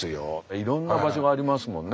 いろんな場所がありますもんね。